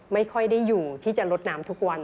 ไม่ค่อยได้อยู่ที่จะลดน้ำทุกวัน